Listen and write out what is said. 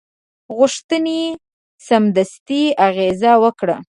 غوښتنې سمدستي اغېزه وکړه.